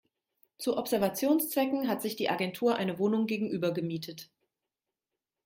Zu Observationszwecken hat sich die Agentur eine Wohnung gegenüber gemietet.